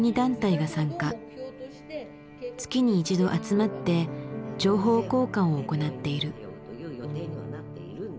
月に一度集まって情報交換を行っている。